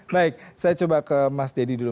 baik saya coba ke mas deddy dulu